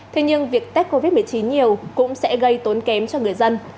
thế nhưng việc test covid một mươi chín nhiều cũng sẽ gây tốn kém cho người dân